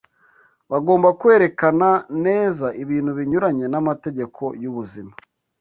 Bagomba kwerekena neza ibintu binyuranye n’amategeko y’ubuzima